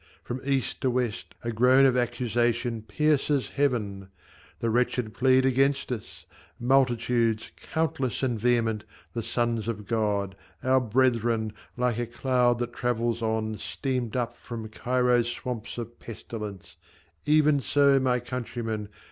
From east to west A groan of accusation pierces Heaven ! The wretched plead against us ; multitudes Countless and vehement, the sons of God, Our brethren ! Like a cloud that travels on, Steamed up from Cairo's swamps of pestilence, Even so, my countrymen